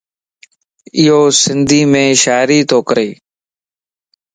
ايو سنڌيءَ مَ شاعري تو ڪري.